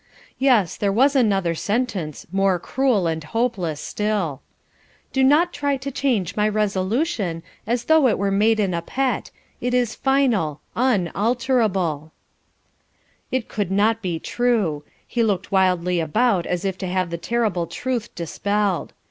Yes, there was another sentence, more cruel and hopeless still: "Do not try to change my resolution, as though it were made in a pet; it is final unalterable." It could not be true. He looked wildly about as if to have the terrible truth dispelled.